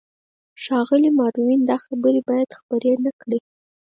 ښاغلی ماروین، دا خبرې باید خپرې نه کړې.